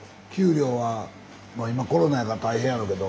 まあ今コロナやから大変やろうけど。